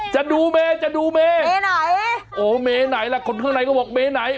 จะดูเมย์จะดูเมไหนโอ้เมไหนล่ะคนข้างในก็บอกเมไหน